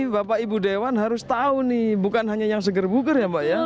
bapak ibu dewan harus tahu nih bukan hanya yang segar bugar ya mbak